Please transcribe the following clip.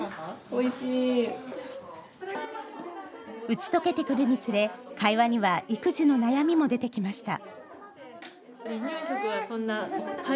打ち解けてくるにつれ会話には育児の悩みも出てきました。